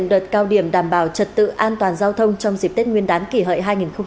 vào trật tự an toàn giao thông trong dịp tết nguyên đán kỷ hợi hai nghìn một mươi chín